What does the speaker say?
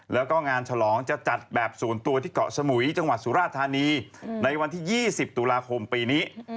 แล้วก็งานฉลองจะจัดแบบศูนย์ตัวที่เกาะสมุยจังหวัดสุราธานีในวันที่๒๐ตุลาคมปีนี้